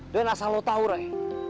dan asal lo tau re